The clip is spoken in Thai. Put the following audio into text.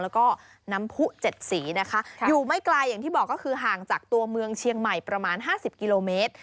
แล้วก็น้ำผู้๗สีนะคะอยู่ไม่ไกลอย่างที่บอกก็คือห่างจากตัวเมืองเชียงใหม่ประมาณ๕๐กิโลเมตร